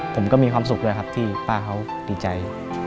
ผมก็มีความสุขด้วยครับที่ป้าเขาดีใจ